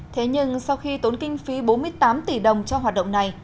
thế nhưng sau khi tốn kinh phí bốn mươi tám tỷ đồng cho hoạt động này